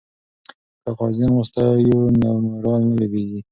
که غازیان وستایو نو مورال نه لویږي.